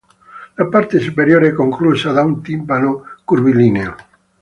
La parte superiore è conclusa da un timpano curvilineo.